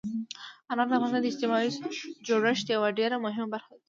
انار د افغانستان د اجتماعي جوړښت یوه ډېره مهمه برخه ده.